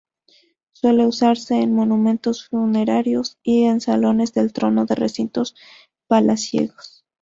Suele usarse en monumentos funerarios y en salones del trono de recintos palaciegos.